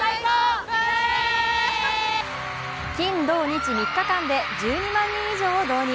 金土日、３日間で１２万人以上を動員。